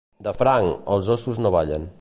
De franc, els óssos no ballen.